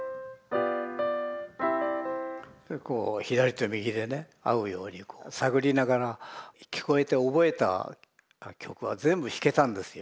こう左と右でね合うように探りながら聞こえて覚えた曲は全部弾けたんですよ